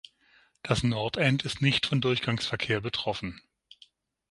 Das Nordend ist nicht von Durchgangsverkehr betroffen.